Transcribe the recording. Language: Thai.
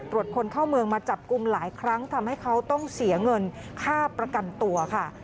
คนเข้าเมืองมาจับกลุ่มหลายครั้งทำให้เขาต้องเสียเงินค่าประกันตัวค่ะ